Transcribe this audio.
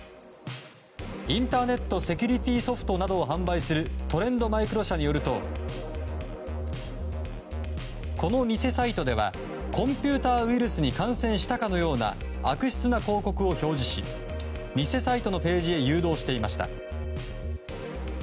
インターネットセキュリティーソフトなどを販売するトレンドマイクロ社によるとこの偽サイトではコンピューターウイルスに感染したかのような悪質な広告を表示し偽サイトのページへ誘導していました。